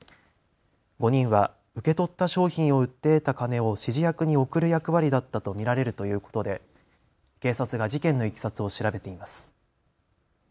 ５人は受け取った商品を売って得た金を指示役に送る役割だったと見られるということで警察が事件のいきさつを調べています。